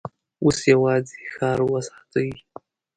اوس يواځې ښار وساتئ!